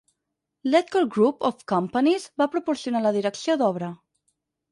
Ledcor Group of Companies va proporcionar la direcció d'obra.